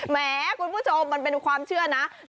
แหมคุณผู้ชมมันเป็นความเชื่อนะ